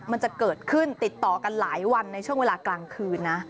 มันจะเกิดขึ้นติดต่อกันหลายวันในช่วงเวลากลางคืนนะ